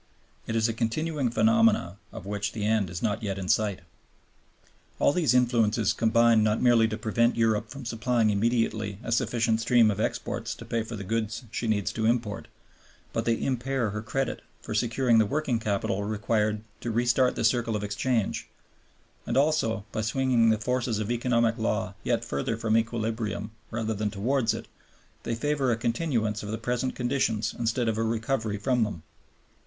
It is a continuing phenomenon of which the end is not yet in sight. All these influences combine not merely to prevent Europe from supplying immediately a sufficient stream of exports to pay for the goods she needs to import, but they impair her credit for securing the working capital required to re start the circle of exchange and also, by swinging the forces of economic law yet further from equilibrium rather than towards it, they favor a continuance of the present conditions instead of a recovery from them.